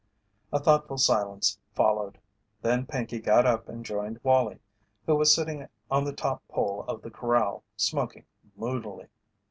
A thoughtful silence followed; then Pinkey got up and joined Wallie, who was sitting on the top pole of the corral, smoking moodily.